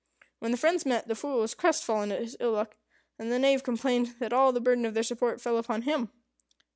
When the friends met, the Fool was crestfallen at his ill luck, and the Knave complained that all the burden of their support fell upon him.